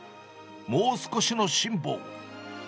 もう少しの辛抱。